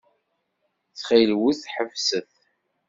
Ttxil-wet, ḥebset.